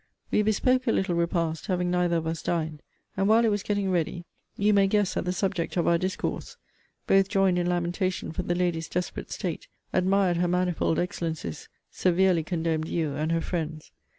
We bespoke a little repast, having neither of us dined; and, while it was getting ready, you may guess at the subject of our discourse. Both joined in lamentation for the lady's desperate state; admired her manifold excellencies; severely condemned you and her friends.